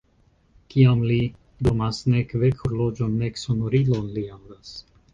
Kiam li dormas, nek vekhorloĝon, nek sonorilon li aŭdas.